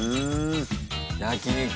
焼き肉。